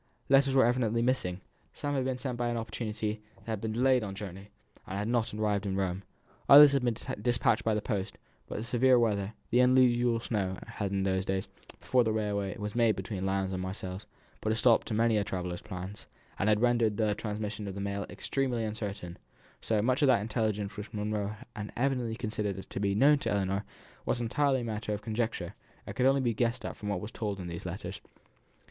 Letters were evidently missing. Some had been sent by an opportunity that had been delayed on the journey, and had not yet arrived in Rome. Others had been despatched by the post, but the severe weather, the unusual snow, had, in those days, before the railway was made between Lyons and Marseilles, put a stop to many a traveller's plans, and had rendered the transmission of the mail extremely uncertain; so, much of that intelligence which Miss Monro had evidently considered as certain to be known to Ellinor was entirely matter of conjecture, and could only be guessed at from what was told in these letters.